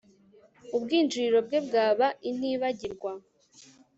ubwinjiriro bwe bwaba intibagirwa